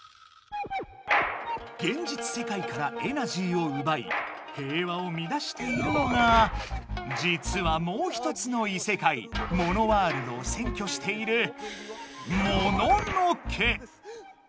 現実世界からエナジーをうばい平和をみだしているのがじつはもう一つの異世界モノワールドをせんきょしている「モノノ家」。